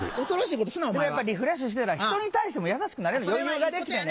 やっぱリフレッシュしてたら人に対しても優しくなれる余裕ができてね。